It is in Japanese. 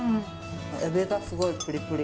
海老がすごいプリプリ。